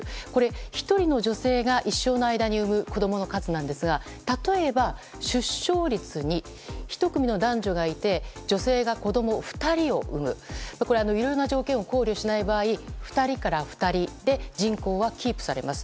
１人の女性が一生の間に産む子供の数なんですが例えば出生率に１組の男女がいて女性が子供２人を産むいろいろな条件を考慮しない場合１人から２人で人口はキープされます。